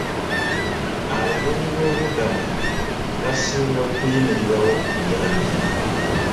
Abanoonyiboobubudamu basinga kuyimirirawo ku buyambi.